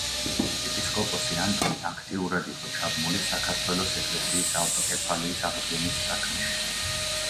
ეპისკოპოსი ანტონი აქტიურად იყო ჩაბმული საქართველოს ეკლესიის ავტოკეფალიის აღდგენის საქმეში.